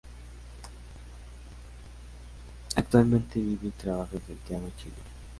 Actualmente vive y trabaja en Santiago, Chile.